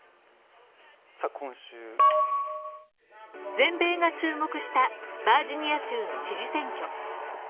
全米が注目したバージニア州の知事選挙。